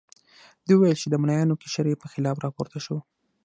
دوی وویل چې د ملایانو قشر یې په خلاف راپورته شو.